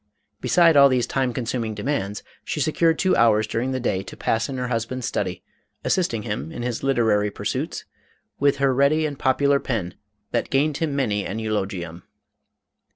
Beside all these time consuming de mands, she secured two hours during the day to pass MADAME ROLAND. 497 in her husband's study, assisting him in his literary pursuits with her ready and popular pen, that gained him many an eulogium.